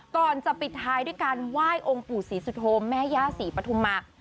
ก่อนจะปิดท้ายด้วยการไหว้องค์ปู่ศรีสุโธมแม่ย่าศรีปฐุมา